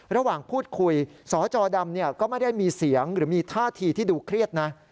ระหว่างพูดคุยสจดำก็ไม่ได้มีเสียงหรือมีท่าทีที่ดูเครียดนะ